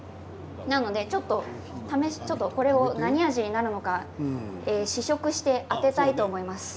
なので何味になるのか試食して当てたいと思います。